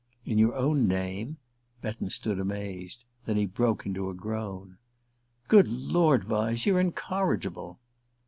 "In your own name?" Betton stood amazed; then he broke into a groan. "Good Lord, Vyse you're incorrigible!"